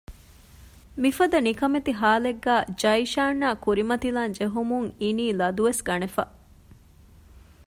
މިފަދަ ނިކަމެތި ހާލެއްގައި ޖަައިޝާން އާ ކުރިމަތިލާން ޖެހުމުން އިނީ ލަދުވެސް ގަނެފަ